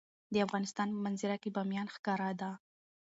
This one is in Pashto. د افغانستان په منظره کې بامیان ښکاره ده.